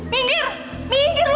minggir minggir lu